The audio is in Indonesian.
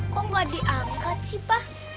kok nggak diangkat sih mbah